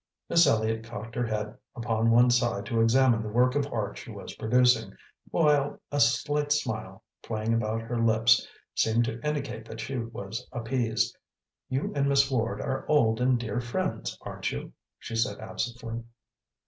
Miss Elliott cocked her head upon one side to examine the work of art she was producing, while a slight smile, playing about her lips, seemed to indicate that she was appeased. "You and Miss Ward are old and dear friends, aren't you?" she asked absently.